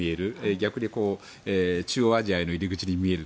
逆に、中央アジアの入り口に見える。